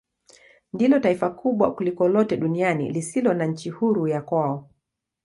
Ndilo taifa kubwa kuliko lote duniani lisilo na nchi huru ya kwao.